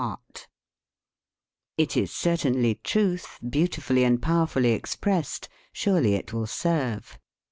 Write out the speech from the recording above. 39 THE SPEAKING VOICE It is certainly truth beautifully and pow erfully expressed. Surely it will serve.